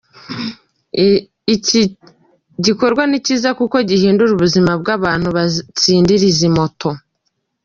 Iki gikorwa ni cyiza kuko gihindura ubuzima bw’abantu batsindira izi moto.